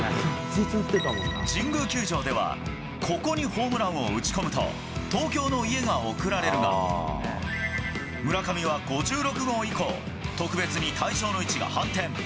神宮球場では、ここにホームランを打ち込むと、東京の家が贈られるが、村上は５６号以降は、特別に対象の位置が反転。